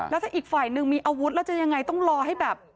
แล้วถ้าอีกฝ่ายหนึ่งมีอาวุธแล้วจะยังไงต้องรอให้แบบ